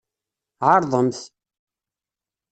Ɛerḍemt!